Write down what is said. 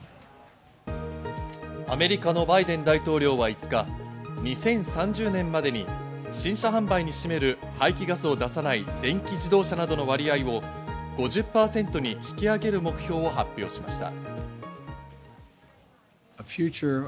アメリカのバイデン大統領は５日、２０３０年までに新車販売に占める排気ガスを出さない電気自動車などの割合を５０％に引き上げる目標を発表しました。